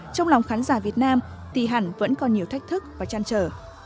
trong lòng khán giả việt nam thì hẳn vẫn còn nhiều thách thức và chăn trở